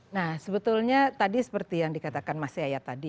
nah sebetulnya tadi seperti yang dikatakan mas yaya tadi